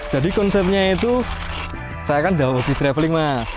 jadi konsepnya itu saya kan udah hobi traveling mas